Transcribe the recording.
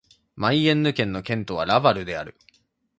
マイエンヌ県の県都はラヴァルである